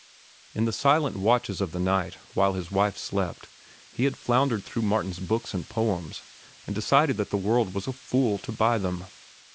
In the silent watches of the night, while his wife slept, he had floundered through Martin's books and poems, and decided that the world was a fool to buy them.